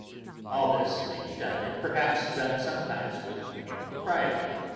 All this may be done, and perhaps done sometimes without impropriety.